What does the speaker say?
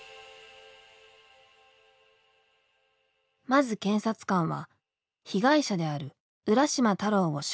まず検察官は被害者である浦島太郎を証人に呼んだ。